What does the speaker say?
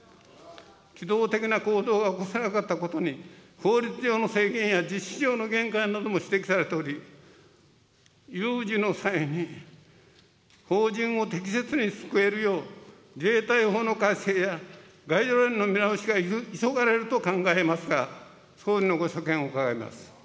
機動的な行動が起こせなかったことに、法律上の制限や実施上の限界なども指摘されており、有事の際に、邦人を適切に救えるよう、自衛隊法の改正やガイドラインの見直しが急がれると考えますが、総理のご所見を伺います。